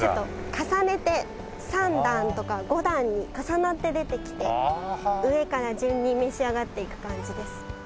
重ねて３段とか５段に重なって出てきて上から順に召し上がっていく感じです。